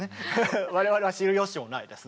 我々は知るよしもないです。